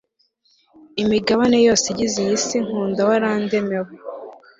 imigabane yose igize iyi si nkunda warandemewe